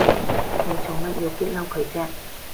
你做乜要激嬲佢啫？